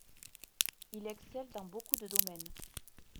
Il excelle dans beaucoup de domaines.